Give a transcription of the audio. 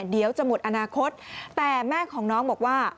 เดี๋ยวจะหมดอนาคตแต่แม่ของน้องบอกว่า